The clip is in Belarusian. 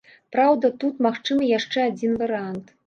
Праўда, тут магчымы яшчэ адзін варыянт.